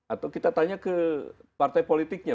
atau kita tanya ke partai politiknya